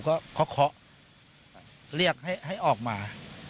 ก็เคาะเรียกให้ออกมา